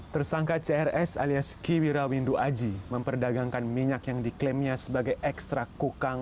tersangka crs alias kiwira windu aji memperdagangkan minyak yang diklaimnya sebagai ekstra kukang